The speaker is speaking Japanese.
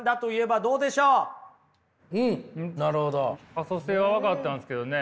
可塑性は分かったんですけどね